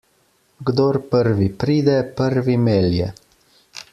Kdor prvi pride, prvi melje.